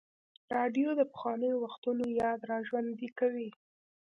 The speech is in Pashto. راډیو د پخوانیو وختونو یاد راژوندی کوي.